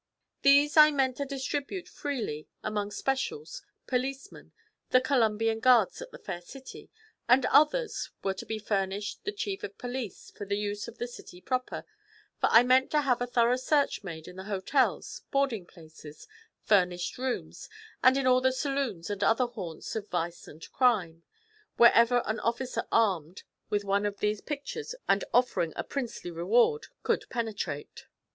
These I meant to distribute freely among specials, policemen, the Columbian Guards at the Fair City; and others were to be furnished the chief of police for use about the city proper, for I meant to have a thorough search made in the hotels, boarding places, furnished rooms, and in all the saloons and other haunts of vice and crime, wherever an officer, armed with one of these pictures and offering a princely reward, could penetrate.